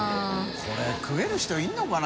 これ食える人いるのかな？